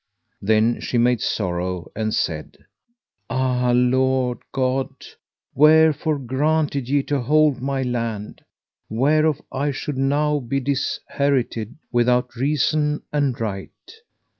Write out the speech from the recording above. Then she made sorrow and said: Ah, Lord God, wherefore granted ye to hold my land, whereof I should now be disherited without reason and right?